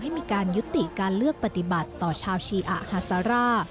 มีการยุติการเลือกปฏิบัติต่อชาวชีอะฮาซาร่า